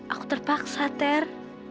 aku terpaksa ter